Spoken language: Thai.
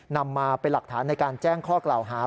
นำมาเป็นหลักฐานในการแจ้งข้อกล่าวหา